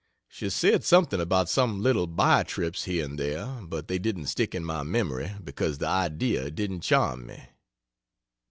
She said something about some little by trips here and there, but they didn't stick in my memory because the idea didn't charm me.